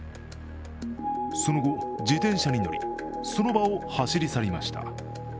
その後、自転車に乗りその場を走り去りました。